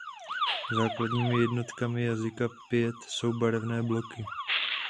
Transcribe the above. Základními jednotkami jazyka Piet jsou barevné bloky.